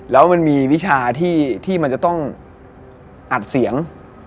แล้วมันมีวิชาที่มันจะต้องอัดเสียง